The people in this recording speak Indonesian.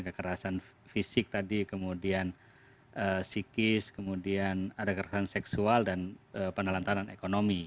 kekerasan fisik tadi kemudian psikis kemudian ada kekerasan seksual dan penelantaran ekonomi